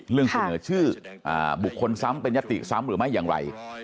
เสนอชื่อบุคคลซ้ำเป็นยติซ้ำหรือไม่อย่างไร